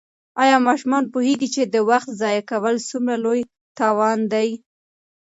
آیا ماشومان پوهېږي چې د وخت ضایع کول څومره لوی تاوان دی؟